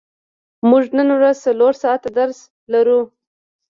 موږ نن ورځ څلور ساعته درس لرو.